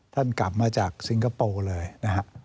ท่านกลับมาจากสิงคโปร์เลยนะครับ